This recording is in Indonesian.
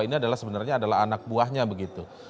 ini sebenarnya adalah anak buahnya begitu